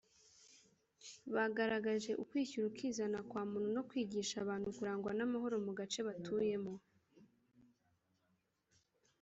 bagaragaje ukwishyira ukizana kwa muntu no kwigisha abantu kurangwa n’amahoro mu gace batuyemo